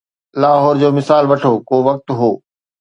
لاهور جو مثال وٺو، ڪو وقت هو.